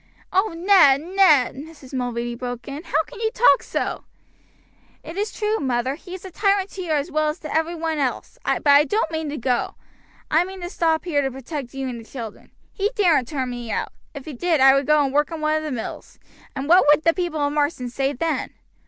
"Oh, Ned, Ned," Mrs. Mulready broke in, "how can you talk so!" "It is true, mother, he is a tyrant to you as well as to every one else; but I don't mean to go, I mean to stop here to protect you and the children. He daren't turn me out; if he did, I would go and work in one of the mills, and what would the people of Marsden say then?